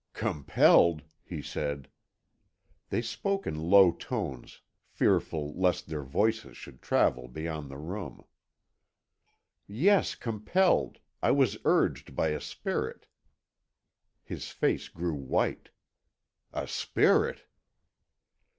"Compelled!" he said. They spoke in low tones, fearful lest their voices should travel beyond the room. "Yes, compelled. I was urged by a spirit." His face grew white. "A spirit!"